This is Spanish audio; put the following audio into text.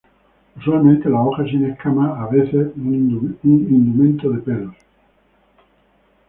Usualmente las hojas sin escamas, a veces un indumento de pelos.